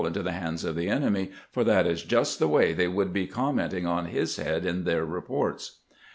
into the hands of the enemy, for that is just the way they would be commenting on his head in their reports."